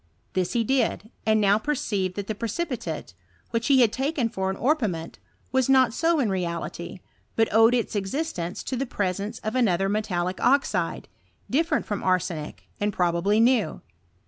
This he did ; and now perceived that the precipitate, which be had ' taken for orpiment, was not ao in reality, but owed i ita existence to the presence of another metallic oxide, different from arsenic and probably new.